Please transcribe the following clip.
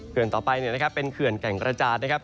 ต่อไปเป็นเขื่อนแก่งกระจาดนะครับ